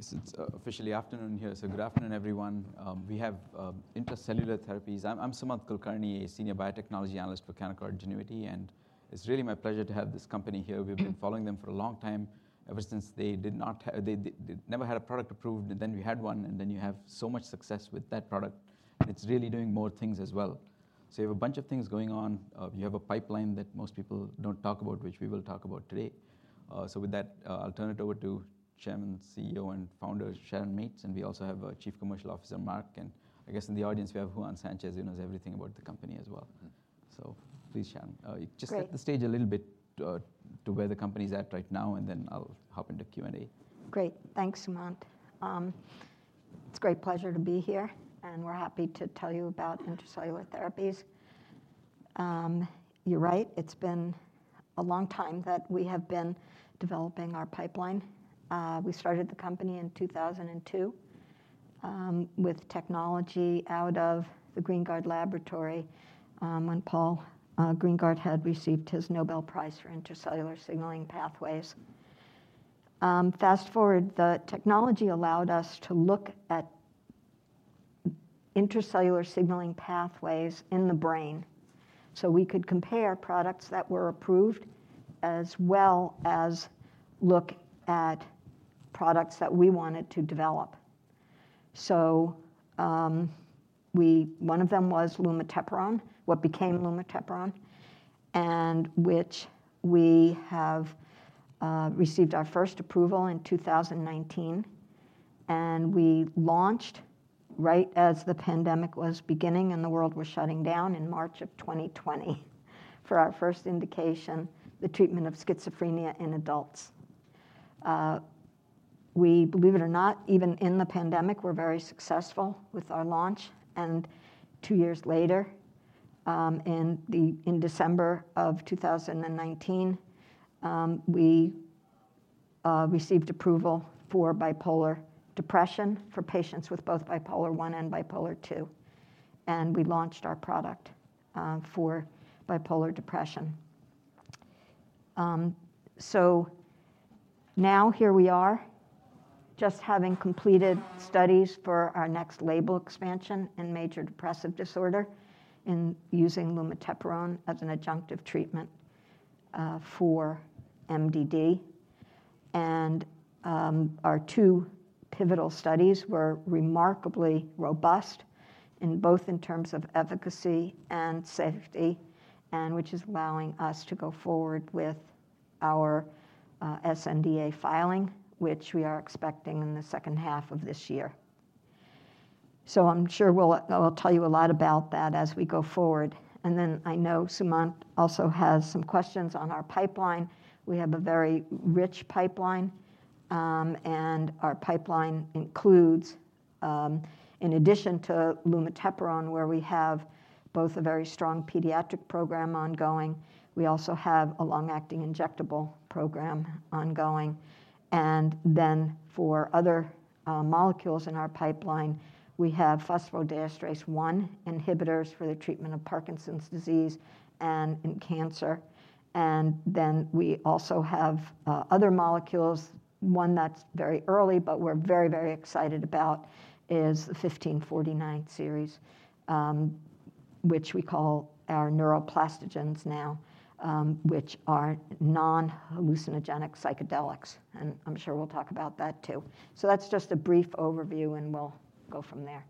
I guess it's officially afternoon here, so good afternoon, everyone. We have Intra-Cellular Therapies. I'm Sumanth Kulkarni, a senior biotechnology analyst for Canaccord Genuity, and it's really my pleasure to have this company here. We've been following them for a long time, ever since they never had a product approved, and then we had one, and then you have so much success with that product, and it's really doing more things as well. So you have a bunch of things going on. You have a pipeline that most people don't talk about, which we will talk about today. So with that, I'll turn it over to Chairman, CEO, and Founder Sharon Mates, and we also have our Chief Commercial Officer, Mark, and I guess in the audience, we have Juan Sanchez, who knows everything about the company as well. So please, Sharon. Great. Just set the stage a little bit to where the company's at right now, and then I'll hop into Q&A. Great. Thanks, Sumanth. It's a great pleasure to be here, and we're happy to tell you about Intra-Cellular Therapies. You're right, it's been a long time that we have been developing our pipeline. We started the company in 2002, with technology out of the Greengard laboratory, when Paul Greengard had received his Nobel Prize for intracellular signaling pathways. Fast forward, the technology allowed us to look at intracellular signaling pathways in the brain, so we could compare products that were approved, as well as look at products that we wanted to develop. So, one of them was lumateperone, what became lumateperone, and which we have received our first approval in 2019, and we launched right as the pandemic was beginning, and the world was shutting down in March of 2020 for our first indication, the treatment of schizophrenia in adults. We believe it or not, even in the pandemic, were very successful with our launch, and 2 years later, in December of 2019, we received approval for bipolar depression for patients with both Bipolar I and Bipolar II, and we launched our product for bipolar depression. So now, here we are, just having completed studies for our next label expansion in major depressive disorder, in using lumateperone as an adjunctive treatment for MDD. And, our 2 pivotal studies were remarkably robust in both in terms of efficacy and safety, and which is allowing us to go forward with our sNDA filing, which we are expecting in the second half of this year. So I'm sure we'll we'll tell you a lot about that as we go forward. I know Sumanth also has some questions on our pipeline. We have a very rich pipeline, and our pipeline includes, in addition to lumateperone, where we have both a very strong pediatric program ongoing, we also have a long-acting injectable program ongoing. For other molecules in our pipeline, we have phosphodiesterase 1 inhibitors for the treatment of Parkinson's disease and in cancer. We also have other molecules. One that's very early, but we're very, very excited about, is the 1549 series, which we call our neuroplastogens now, which are non-hallucinogenic psychedelics, and I'm sure we'll talk about that too. That's just a brief overview, and we'll go from there.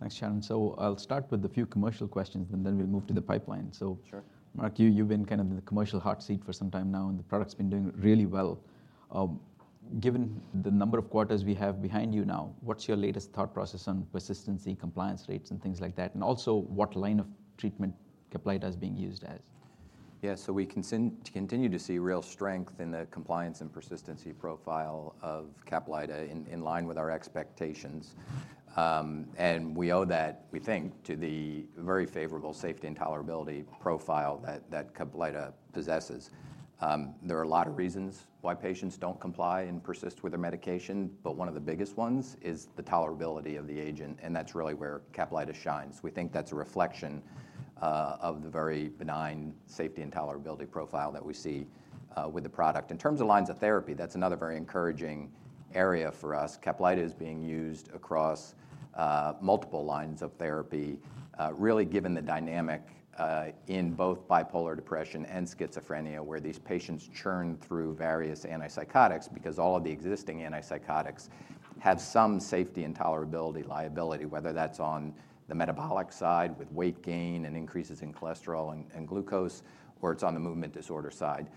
Thanks, Sharon. I'll start with a few commercial questions, and then we'll move to the pipeline. Sure. Mark, you've been kind of in the commercial hot seat for some time now, and the product's been doing really well. Given the number of quarters we have behind you now, what's your latest thought process on persistency, compliance rates, and things like that, and also what line of treatment CAPLYTA is being used as? Yeah, so we continue to see real strength in the compliance and persistency profile of CAPLYTA in line with our expectations. And we owe that, we think, to the very favorable safety and tolerability profile that CAPLYTA possesses. There are a lot of reasons why patients don't comply and persist with their medication, but one of the biggest ones is the tolerability of the agent, and that's really where CAPLYTA shines. We think that's a reflection of the very benign safety and tolerability profile that we see with the product. In terms of lines of therapy, that's another very encouraging area for us. CAPLYTA is being used across multiple lines of therapy, really given the dynamic in both bipolar depression and schizophrenia, where these patients churn through various antipsychotics because all of the existing antipsychotics have some safety and tolerability liability, whether that's on the metabolic side, with weight gain and increases in cholesterol and glucose, or it's on the movement disorder side.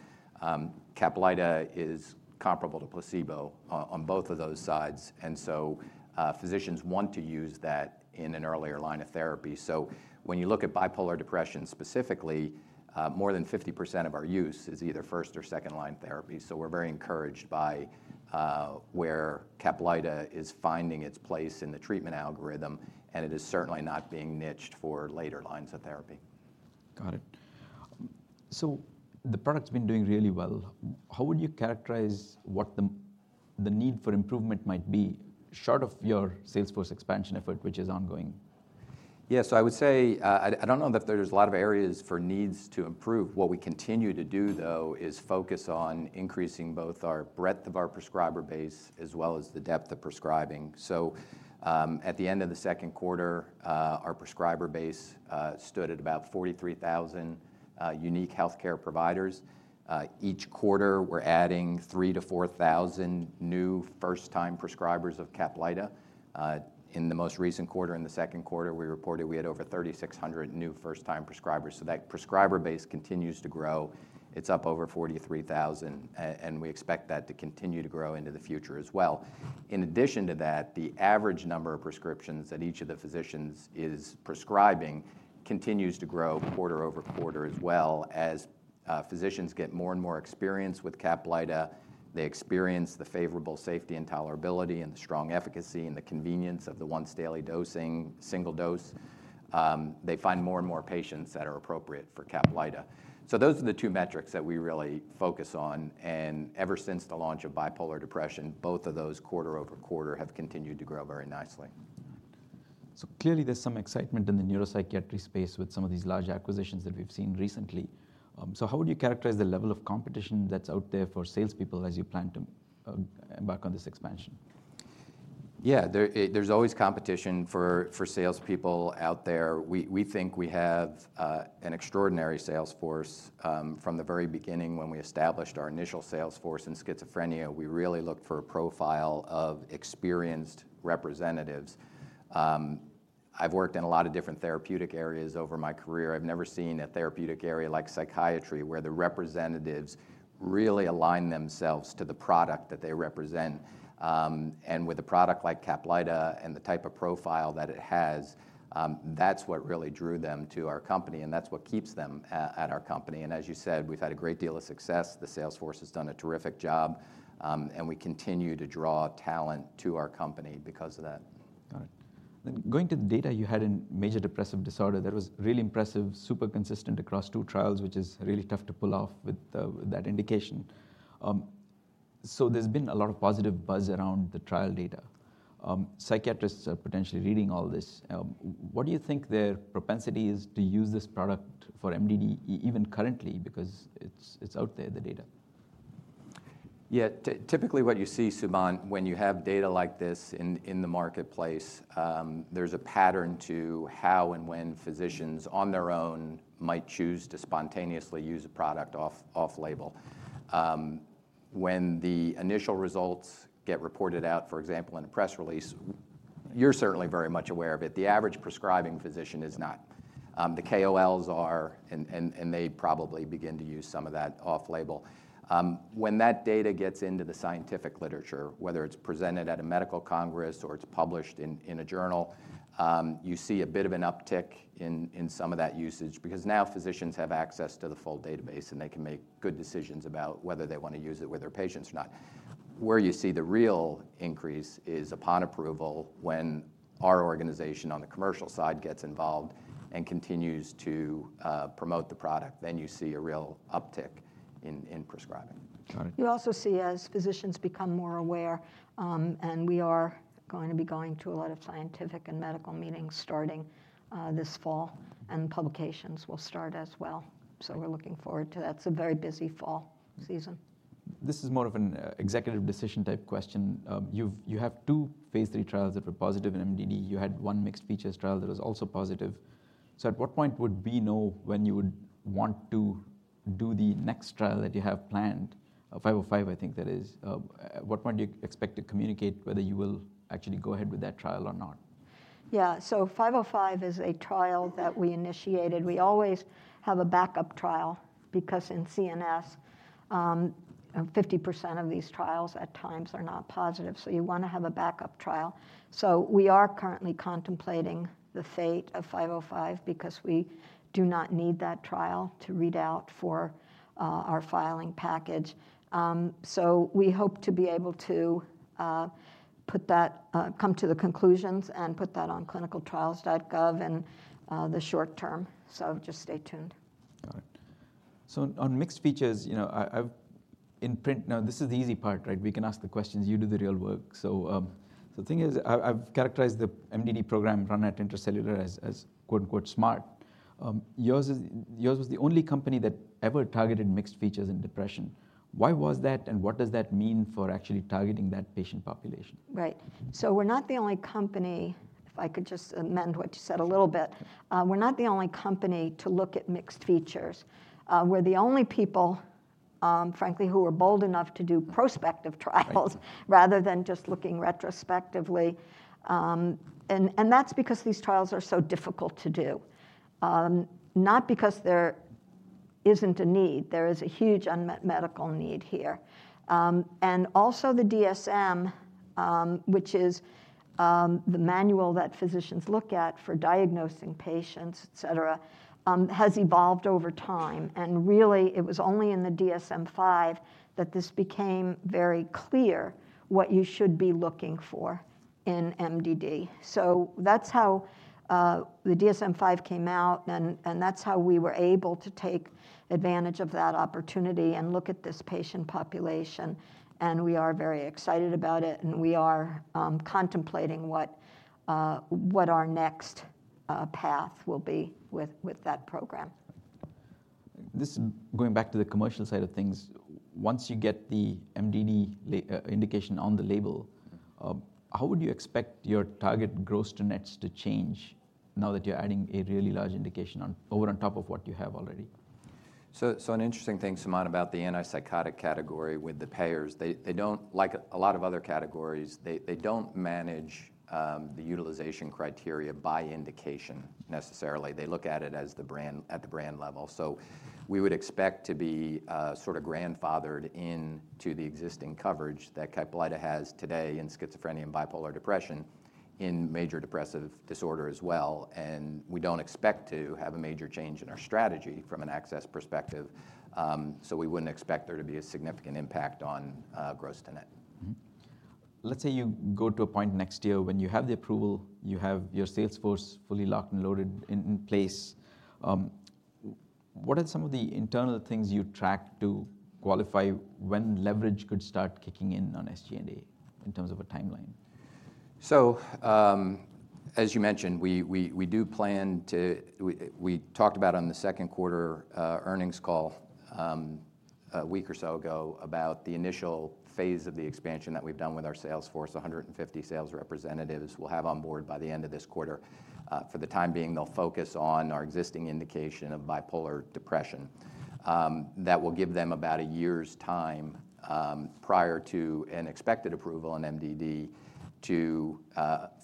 CAPLYTA is comparable to placebo on both of those sides, and so physicians want to use that in an earlier line of therapy. So when you look at bipolar depression, specifically, more than 50% of our use is either first or second-line therapy. So we're very encouraged by where CAPLYTA is finding its place in the treatment algorithm, and it is certainly not being niched for later lines of therapy. Got it. So the product's been doing really well. How would you characterize what the need for improvement might be, short of your sales force expansion effort, which is ongoing?... Yeah, so I would say, I don't know that there's a lot of areas for needs to improve. What we continue to do, though, is focus on increasing both our breadth of our prescriber base as well as the depth of prescribing. So, at the end of the Q2, our prescriber base stood at about 43,000 unique healthcare providers. Each quarter, we're adding 3,000-4,000 new first-time prescribers of CAPLYTA. In the most recent quarter, in the Q2, we reported we had over 3,600 new first-time prescribers. So that prescriber base continues to grow. It's up over 43,000, and we expect that to continue to grow into the future as well. In addition to that, the average number of prescriptions that each of the physicians is prescribing continues to grow quarter-over-quarter as well. As, physicians get more and more experienced with CAPLYTA, they experience the favorable safety and tolerability, and the strong efficacy, and the convenience of the once-daily dosing, single dose, they find more and more patients that are appropriate for CAPLYTA. So those are the two metrics that we really focus on, and ever since the launch of bipolar depression, both of those, quarter-over-quarter, have continued to grow very nicely. So clearly, there's some excitement in the neuropsychiatry space with some of these large acquisitions that we've seen recently. So how would you characterize the level of competition that's out there for salespeople as you plan to embark on this expansion? Yeah, there's always competition for salespeople out there. We think we have an extraordinary sales force. From the very beginning, when we established our initial sales force in schizophrenia, we really looked for a profile of experienced representatives. I've worked in a lot of different therapeutic areas over my career. I've never seen a therapeutic area like psychiatry, where the representatives really align themselves to the product that they represent. And with a product like CAPLYTA and the type of profile that it has, that's what really drew them to our company, and that's what keeps them at our company. As you said, we've had a great deal of success. The sales force has done a terrific job, and we continue to draw talent to our company because of that. Got it. Then going to the data you had in major depressive disorder, that was really impressive, super consistent across two trials, which is really tough to pull off with that indication. So there's been a lot of positive buzz around the trial data. Psychiatrists are potentially reading all this. What do you think their propensity is to use this product for MDD even currently? Because it's out there, the data. Yeah, typically, what you see, Suman, when you have data like this in the marketplace, there's a pattern to how and when physicians, on their own, might choose to spontaneously use a product off-label. When the initial results get reported out, for example, in a press release, you're certainly very much aware of it, the average prescribing physician is not. The KOLs are, and they probably begin to use some of that off-label. When that data gets into the scientific literature, whether it's presented at a medical congress or it's published in a journal, you see a bit of an uptick in some of that usage because now physicians have access to the full database, and they can make good decisions about whether they want to use it with their patients or not. Where you see the real increase is upon approval, when our organization, on the commercial side, gets involved and continues to promote the product, then you see a real uptick in prescribing. Got it. You also see, as physicians become more aware, and we are going to be going to a lot of scientific and medical meetings starting this fall, and publications will start as well. So we're looking forward to that. It's a very busy fall season. This is more of an executive decision type question. You have two phase III trials that were positive in MDD. You had one mixed features trial that was also positive. So at what point would we know when you would want to do the next trial that you have planned? A 505, I think that is. At what point do you expect to communicate whether you will actually go ahead with that trial or not? Yeah. So 505 is a trial that we initiated. We always have a backup trial because in CNS, 50% of these trials at times are not positive, so you wanna have a backup trial. So we are currently contemplating the fate of 505 because we do not need that trial to read out for our filing package. So we hope to be able to come to the conclusions and put that on clinicaltrials.gov in the short term. So just stay tuned. Got it. So on mixed features, you know, now this is the easy part, right? We can ask the questions. You do the real work. So, the thing is, I've characterized the MDD program run at Intra-Cellular as, quote unquote, “smart.” Yours was the only company that ever targeted mixed features in depression. Why was that, and what does that mean for actually targeting that patient population? Right. So we're not the only company, if I could just amend what you said a little bit. We're not the only company to look at mixed features. We're the only people, frankly, who were bold enough to do prospective trials - Thank you... rather than just looking retrospectively. And that's because these trials are so difficult to do. Not because there isn't a need, there is a huge unmet medical need here. And also the DSM, which is the manual that physicians look at for diagnosing patients, et cetera, has evolved over time, and really, it was only in the DSM-5 that this became very clear what you should be looking for in MDD. So that's how the DSM-5 came out, and that's how we were able to take advantage of that opportunity and look at this patient population, and we are very excited about it, and we are contemplating what our next path will be with that program.... This, going back to the commercial side of things, once you get the MDD indication on the label, how would you expect your target gross-to-nets to change now that you're adding a really large indication on, over on top of what you have already? So an interesting thing, Sumanth, about the antipsychotic category with the payers, they don't, like a lot of other categories, they don't manage the utilization criteria by indication necessarily. They look at it as the brand level. So we would expect to be sort of grandfathered in to the existing coverage that CAPLYTA has today in schizophrenia and bipolar depression, in major depressive disorder as well, and we don't expect to have a major change in our strategy from an access perspective. So we wouldn't expect there to be a significant impact on gross to net. Mm-hmm. Let's say you go to a point next year when you have the approval, you have your sales force fully locked and loaded in place. What are some of the internal things you track to qualify when leverage could start kicking in on SG&A in terms of a timeline? So, as you mentioned, we do plan to... We talked about on the Q2 earnings call a week or so ago about the initial phase of the expansion that we've done with our sales force. 150 sales representatives we'll have on board by the end of this quarter. For the time being, they'll focus on our existing indication of bipolar depression. That will give them about a year's time prior to an expected approval on MDD to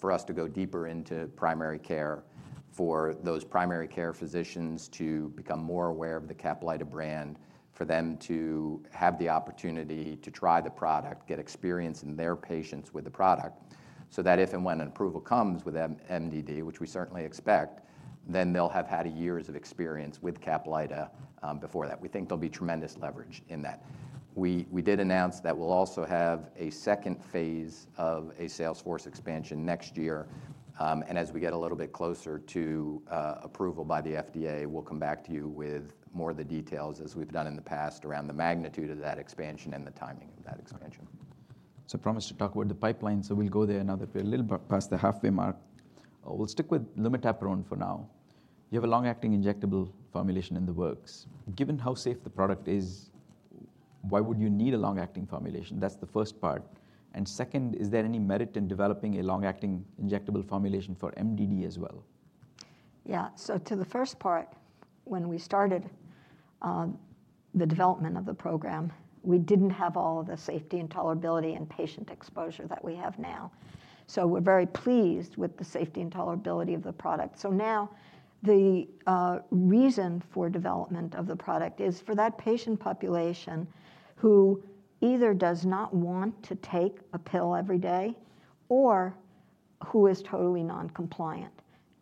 for us to go deeper into primary care, for those primary care physicians to become more aware of the CAPLYTA brand, for them to have the opportunity to try the product, get experience in their patients with the product. So that if and when an approval comes with MDD, which we certainly expect, then they'll have had a years of experience with CAPLYTA, before that. We think there'll be tremendous leverage in that. We did announce that we'll also have a second phase of a sales force expansion next year. As we get a little bit closer to approval by the FDA, we'll come back to you with more of the details, as we've done in the past, around the magnitude of that expansion and the timing of that expansion. So I promised to talk about the pipeline, so we'll go there now that we're a little bit past the halfway mark. We'll stick with lumateperone for now. You have a long-acting injectable formulation in the works. Given how safe the product is, why would you need a long-acting formulation? That's the first part. And second, is there any merit in developing a long-acting injectable formulation for MDD as well? Yeah. So to the first part, when we started the development of the program, we didn't have all the safety and tolerability and patient exposure that we have now. So we're very pleased with the safety and tolerability of the product. So now, the reason for development of the product is for that patient population who either does not want to take a pill every day, or who is totally non-compliant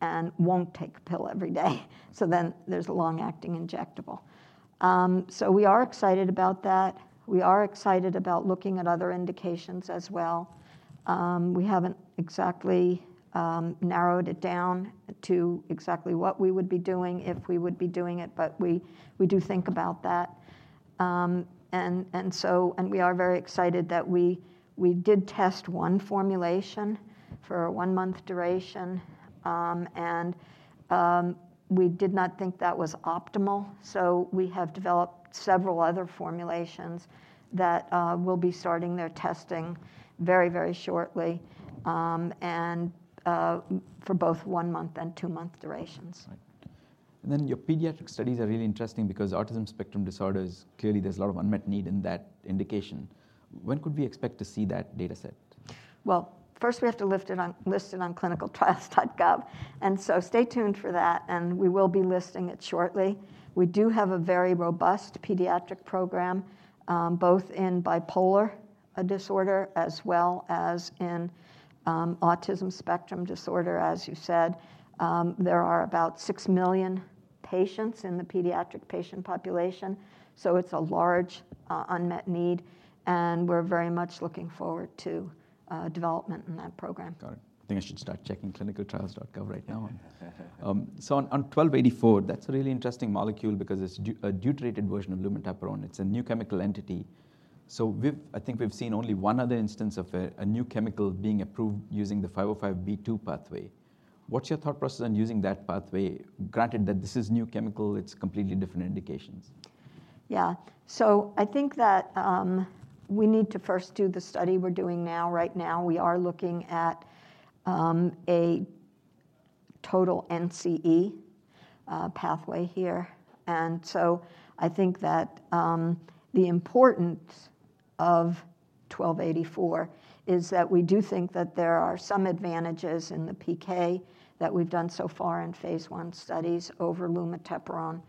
and won't take a pill every day. So then there's a long-acting injectable. So we are excited about that. We are excited about looking at other indications as well. We haven't exactly narrowed it down to exactly what we would be doing if we would be doing it, but we do think about that. And we are very excited that we did test one formulation for a one-month duration, and we did not think that was optimal. So we have developed several other formulations that will be starting their testing very, very shortly, and for both one-month and two-month durations. Right. Then, your pediatric studies are really interesting because autism spectrum disorders, clearly, there's a lot of unmet need in that indication. When could we expect to see that data set? Well, first we have to list it on clinicaltrials.gov, and so stay tuned for that, and we will be listing it shortly. We do have a very robust pediatric program, both in bipolar disorder as well as in, autism spectrum disorder. As you said, there are about 6 million patients in the pediatric patient population, so it's a large, unmet need, and we're very much looking forward to development in that program. Got it. I think I should start checking clinicaltrials.gov right now. So on 1284, that's a really interesting molecule because it's a deuterated version of lumateperone. It's a new chemical entity. So I think we've seen only one other instance of a new chemical being approved using the 505 pathway. What's your thought process on using that pathway, granted that this is new chemical, it's completely different indications? Yeah. So I think that we need to first do the study we're doing now. Right now, we are looking at a total NCE pathway here. And so I think that the importance of 1284 is that we do think that there are some advantages in the PK that we've done so far in phase I studies over lumateperone,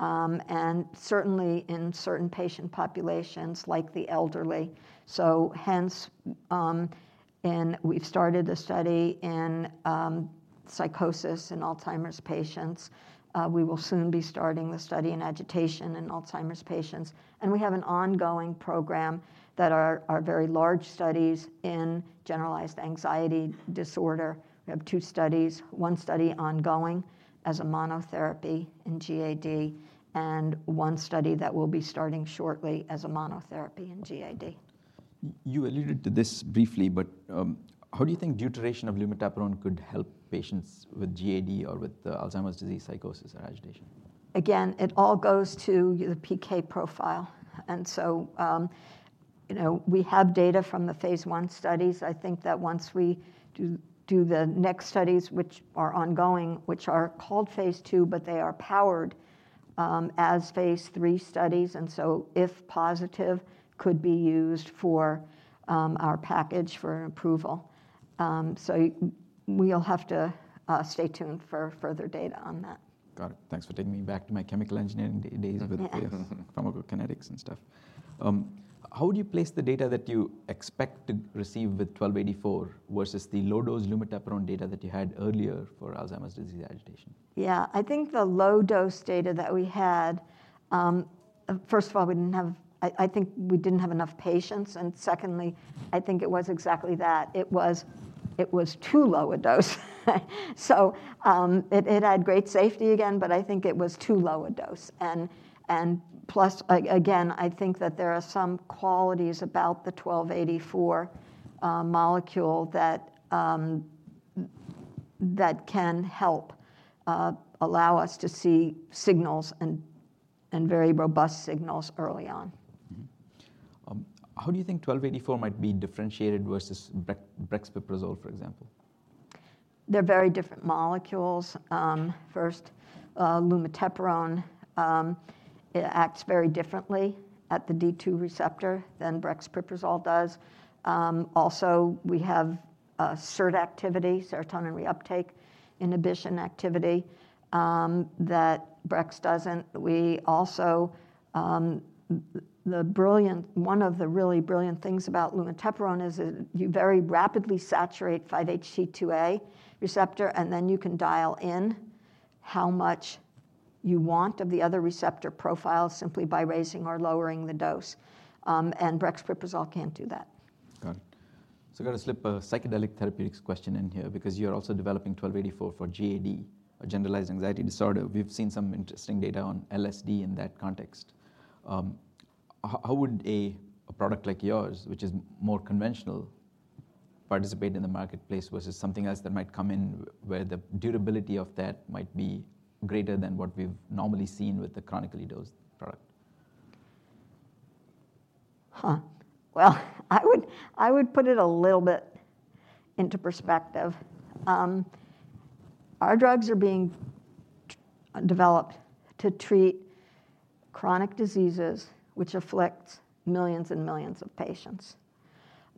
and certainly in certain patient populations, like the elderly. So hence, and we've started a study in psychosis in Alzheimer's patients. We will soon be starting a study in agitation in Alzheimer's patients. And we have an ongoing program that are very large studies in generalized anxiety disorder. We have two studies, one study ongoing as a monotherapy in GAD, and one study that we'll be starting shortly as a monotherapy in GAD.... You alluded to this briefly, but how do you think deuteration of lumateperone could help patients with GAD or with Alzheimer's disease, psychosis, or agitation? Again, it all goes to the PK profile. And so, you know, we have data from the phase 1 studies. I think that once we do the next studies, which are ongoing, which are called phase 2, but they are powered as phase 3 studies, and so if positive, could be used for our package for approval. So we'll have to stay tuned for further data on that. Got it. Thanks for taking me back to my chemical engineering days with- Yeah. Pharmacokinetics and stuff. How would you place the data that you expect to receive with 1284 versus the low-dose lumateperone data that you had earlier for Alzheimer's disease agitation? Yeah, I think the low-dose data that we had, first of all, we didn't have... I think we didn't have enough patients, and secondly, I think it was exactly that. It was too low a dose. So, it had great safety again, but I think it was too low a dose. And plus, again, I think that there are some qualities about the 1284 molecule that can help allow us to see signals and very robust signals early on. Mm-hmm. How do you think 1284 might be differentiated versus brexpiprazole, for example? They're very different molecules. First, lumateperone, it acts very differently at the D2 receptor than brexpiprazole does. Also, we have a SERT activity, serotonin reuptake inhibition activity, that brex doesn't. We also, the brilliant one of the really brilliant things about lumateperone is it, you very rapidly saturate 5-HT2A receptor, and then you can dial in how much you want of the other receptor profiles simply by raising or lowering the dose. And brexpiprazole can't do that. Got it. So I've got to slip a psychedelic therapeutics question in here because you're also developing 1284 for GAD, or generalized anxiety disorder. How would a product like yours, which is more conventional, participate in the marketplace versus something else that might come in where the durability of that might be greater than what we've normally seen with the chronically dosed product? Huh. Well, I would, I would put it a little bit into perspective. Our drugs are being developed to treat chronic diseases which afflicts millions and millions of patients.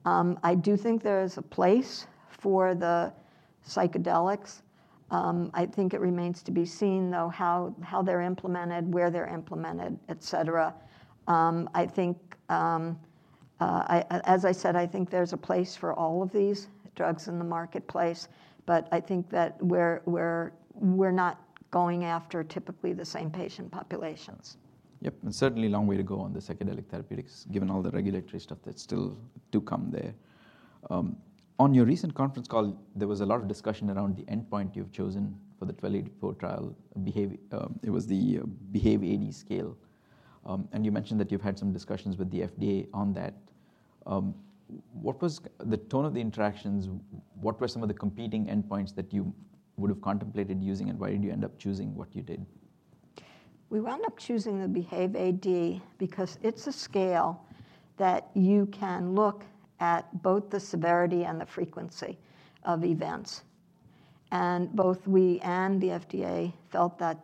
I do think there is a place for the psychedelics. I think it remains to be seen, though, how, how they're implemented, where they're implemented, et cetera. I think, as I said, I think there's a place for all of these drugs in the marketplace, but I think that we're, we're, we're not going after typically the same patient populations. Yep, and certainly a long way to go on the psychedelic therapeutics, given all the regulatory stuff that's still to come there. On your recent Conference Call, there was a lot of discussion around the endpoint you've chosen for the 1284 trial, it was the BEHAVE-AD scale. And you mentioned that you've had some discussions with the FDA on that. What was the tone of the interactions? What were some of the competing endpoints that you would have contemplated using, and why did you end up choosing what you did? We wound up choosing the BEHAVE-AD because it's a scale that you can look at both the severity and the frequency of events. Both we and the FDA felt that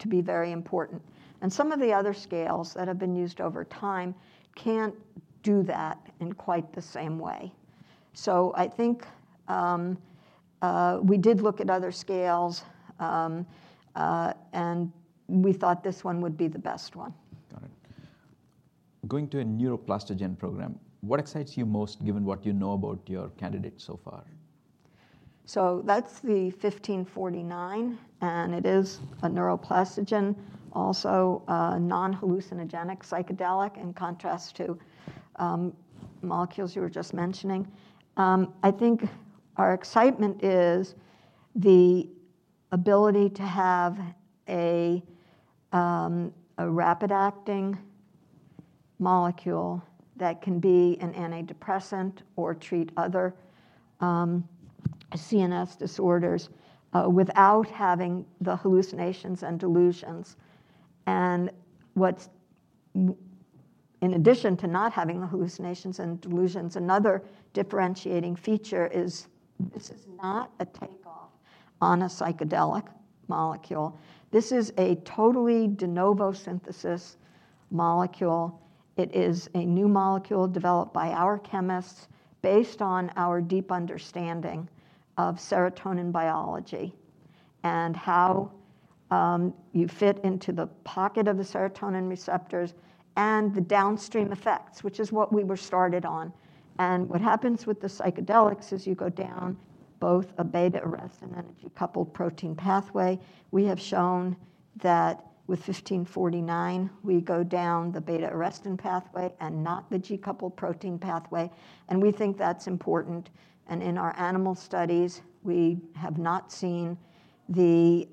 to be very important. Some of the other scales that have been used over time can't do that in quite the same way. I think we did look at other scales, and we thought this one would be the best one. Got it. Going to a Neuroplastogen program, what excites you most given what you know about your candidate so far? So that's the 1549, and it is a neuroplastogen, also a non-hallucinogenic psychedelic, in contrast to, molecules you were just mentioning. I think our excitement is the ability to have a rapid-acting molecule that can be an antidepressant or treat other CNS disorders without having the hallucinations and delusions. In addition to not having the hallucinations and delusions, another differentiating feature is this is not a takeoff on a psychedelic molecule. This is a totally de novo synthesis molecule. It is a new molecule developed by our chemists based on our deep understanding of serotonin biology and how you fit into the pocket of the serotonin receptors and the downstream effects, which is what we were started on. And what happens with the psychedelics is you go down both a beta-arrestin and a G-coupled protein pathway. We have shown that with 1549, we go down the beta-arrestin pathway and not the G-coupled protein pathway, and we think that's important. And in our animal studies, we have not seen the,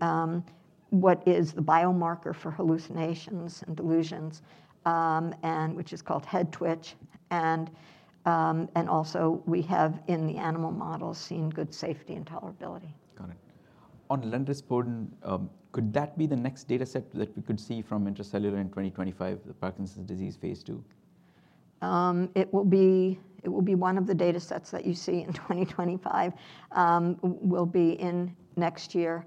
what is the biomarker for hallucinations and delusions, and which is called head twitch. And also, we have, in the animal models, seen good safety and tolerability. Got it. On lenrispodun, could that be the next data set that we could see from Intra-Cellular in 2025, the Parkinson's disease phase 2? It will be one of the data sets that you see in 2025. Will be in next year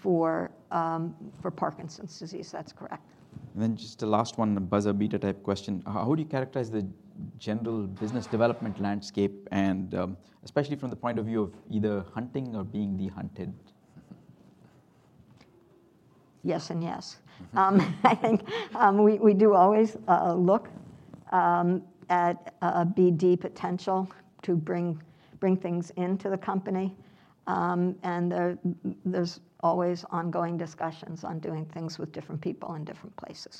for Parkinson's disease. That's correct. And then just a last one, a buzzer-beater type question. How would you characterize the general business development landscape and, especially from the point of view of either hunting or being the hunted? Yes and yes. Mm-hmm. I think we do always look at a BD potential to bring things into the company. And there's always ongoing discussions on doing things with different people in different places.